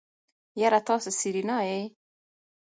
يره تاسې سېرېنا يئ.